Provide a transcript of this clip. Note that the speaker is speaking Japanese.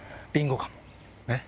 えっ？